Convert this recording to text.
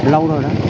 lâu rồi đó